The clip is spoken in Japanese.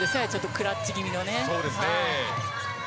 クラッチ気味のね。